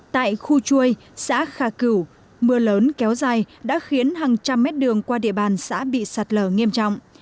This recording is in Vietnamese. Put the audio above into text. tại khu chuối xã khà cửu mưa lớn kéo dài đã khiến hàng trăm mét đường qua địa bàn xã bị sạt lở nghiêm trọng